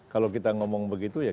kalau kita ngomong begitu ya